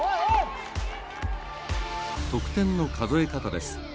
得点の数え方です。